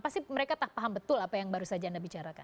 pasti mereka paham betul apa yang baru saja anda bicarakan